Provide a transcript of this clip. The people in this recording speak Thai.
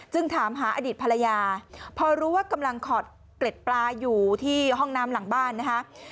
ถามหาอดีตภรรยาพอรู้ว่ากำลังขอดเกล็ดปลาอยู่ที่ห้องน้ำหลังบ้านนะคะ